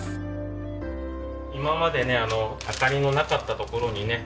今までね明かりのなかったところにね